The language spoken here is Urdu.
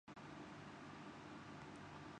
وقت وقت کی بات ہے